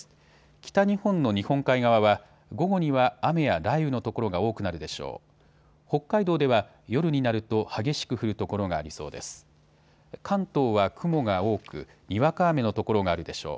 北日本の日本海側は午後には雨や雷雨の所が多くなるでしょう。